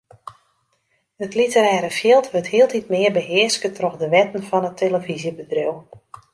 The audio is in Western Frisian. It literêre fjild wurdt hieltyd mear behearske troch de wetten fan it telefyzjebedriuw.